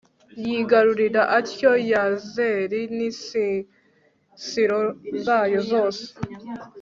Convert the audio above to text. yigarurira atyo yazeri n'insisiro zayo zose